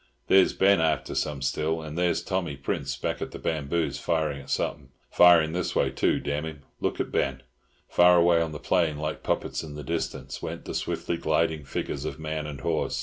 There's Ben after some still, and there's Tommy Prince back at the bamboos firing at something. Firing this way, too, damn him! Look at Ben!" Far away on the plain, like puppets in the distance, went the swiftly gliding figures of man and horse.